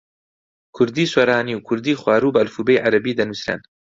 کوردیی سۆرانی و کوردیی خواروو بە ئەلفوبێی عەرەبی دەنووسرێن.